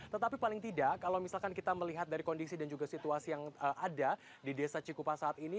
tetapi paling tidak kalau misalkan kita melihat dari kondisi dan juga situasi yang ada di desa cikupa saat ini